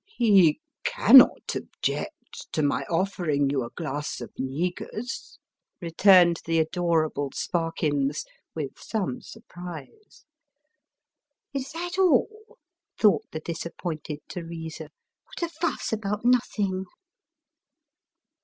" He cannot object to my offering you a glass of negus," returned the adorable Sparkins, with some surprise. " Is that all ?" thought the disappointed Teresa. " What a fuss about nothing